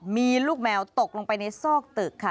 มีลูกแมวตกลงไปในซอกตึกค่ะ